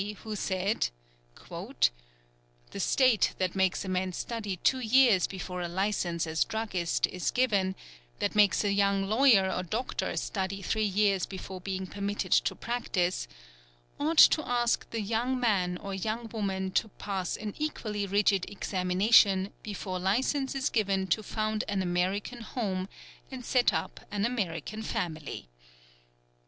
who said: "The State that makes a man study two years before a license as druggist is given; that makes a young lawyer or doctor study three years before being permitted to practice; ought to ask the young man or young woman to pass an equally rigid examination before license is given to found an American home, and set up an American family."